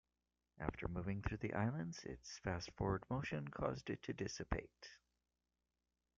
After moving through the islands, its fast forward motion caused it to dissipate.